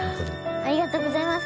ありがとうございます。